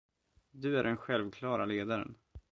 Du är den självklara ledaren.